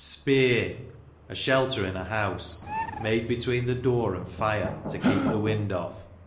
Speer, a shelter in a house, made betiveen the door and fire, to keep the wind off.